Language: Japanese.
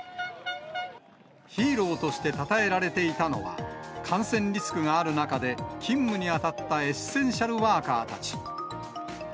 ヒーローとしてたたえられていたのは、感染リスクがある中で勤務に当たったエッセンシャルワーカーたち。